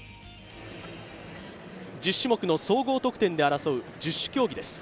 １０種目の総合得点で争う十種競技です。